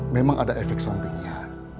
memang ada efek sampingnya